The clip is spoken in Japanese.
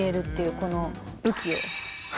この武器を。